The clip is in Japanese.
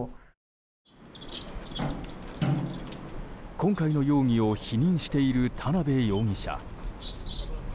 今回の容疑を否認している田辺容疑者。